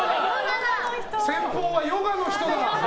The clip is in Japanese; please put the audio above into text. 先鋒はヨガの人だ！